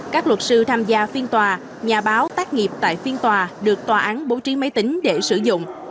các luật sư tham gia phiên tòa nhà báo tác nghiệp tại phiên tòa được tòa án bố trí máy tính để sử dụng